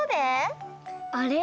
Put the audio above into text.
あれ？